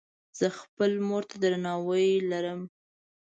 زۀ خپلې مور ته درناوی لرم.